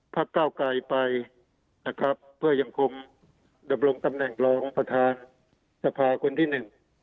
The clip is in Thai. เก้าไกลไปนะครับเพื่อยังคงดำรงตำแหน่งรองประธานสภาคนที่หนึ่ง